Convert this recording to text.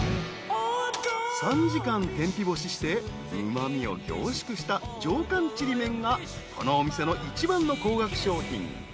［３時間天日干ししてうま味を凝縮した上干ちりめんがこのお店の一番の高額商品］